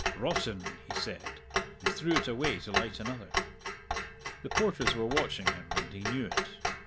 "Rotten!" he said, and threw it away to light another. The porters were watching him, and he knew it.